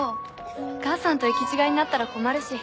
かあさんと行き違いになったら困るし。